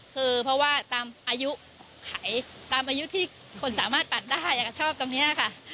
คือเพราะว่าตามอายุไขตามอายุที่คนสามารถปัดได้ชอบตรงนี้ค่ะ